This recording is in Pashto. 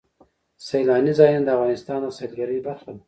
سیلانی ځایونه د افغانستان د سیلګرۍ برخه ده.